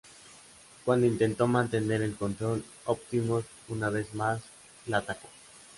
Cuando intentó mantener el control, Optimus una vez más la atacó.